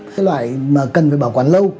cái loại mà cần phải bảo quản lâu